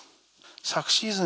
昨シーズン